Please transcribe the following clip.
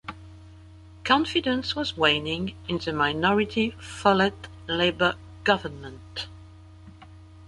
Confidence was waning in the minority Follett Labor government.